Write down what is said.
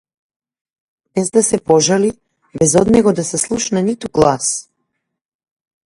Без да се пожали, без од него да се слушне ниту глас.